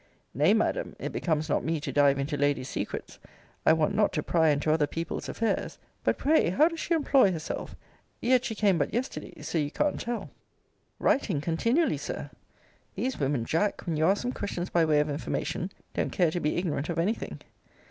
Nay, Madam, it becomes not me to dive into ladies' secrets; I want not to pry into other people's affairs. But, pray, how does she employ herself? Yet she came but yesterday; so you can't tell. Writing continually, Sir. These women, Jack, when you ask them questions by way of information, don't care to be ignorant of any thing.